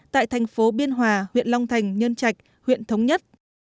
tại thành phố biên hòa huyện long thành nhân trạch huyện thống nhất